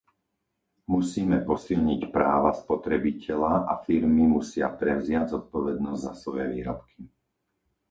Musíme posilniť práva spotrebiteľa a firmy musia prevziať zodpovednosť za svoje výrobky.